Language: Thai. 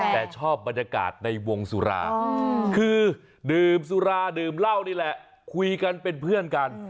แต่ชอบบรรยากาศในวงสุราคือดื่มสุราดื่มเหล้านี่แหละคุยกันเป็นเพื่อนกัน